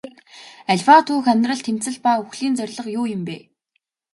Аливаа түүх амьдрал тэмцэл ба үхлийн зорилго юу юм бэ?